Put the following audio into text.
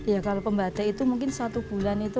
ya kalau pembatik itu mungkin satu bulan itu